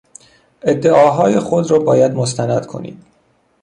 ادعاهای خود را باید مستند کنید.